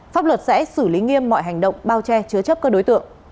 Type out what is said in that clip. pháp luật sẽ xử lý nghiêm mọi hành động bao che chứa chấp các đối tượng